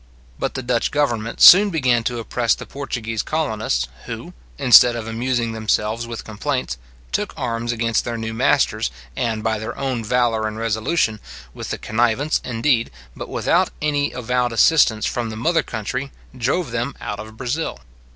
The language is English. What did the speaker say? But the Dutch government soon began to oppress the Portuguese colonists, who, instead of amusing themselves with complaints, took arms against their new masters, and by their own valour and resolution, with the connivance, indeed, but without any avowed assistance from the mother country, drove them out of Brazil.